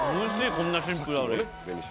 こんなシンプルなのに。